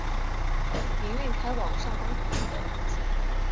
营运开往上高地的路线。